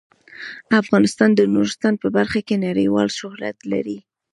افغانستان د نورستان په برخه کې نړیوال شهرت لري.